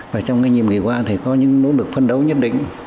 và trong nghiệp nghề qua thì có những nỗ lực phân đấu nhất định